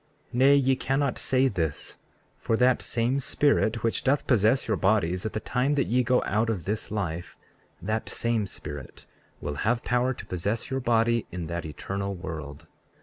Nay, ye cannot say this; for that same spirit which doth possess your bodies at the time that ye go out of this life, that same spirit will have power to possess your body in that eternal world.